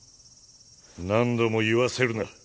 何度も言わせるな。